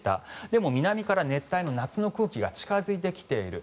でも、南から熱帯の夏の空気が近付いてきている。